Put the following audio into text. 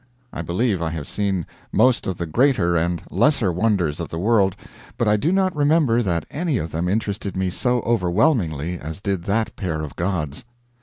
I believe I have seen most of the greater and lesser wonders of the world, but I do not remember that any of them interested me so overwhelmingly as did that pair of gods.